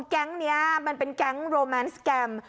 แก๊งนี้มันเป็นแก๊งโรแมนสแกรม